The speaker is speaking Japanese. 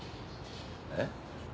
えっ？